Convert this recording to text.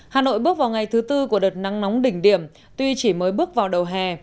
hà nội bước vào ngày thứ tư của đợt nắng nóng đỉnh điểm tuy chỉ mới bước vào đầu hè